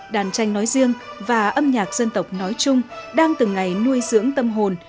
đàn tranh nói riêng và âm nhạc dân tộc nói chung đang từng ngày nuôi dưỡng tâm hồn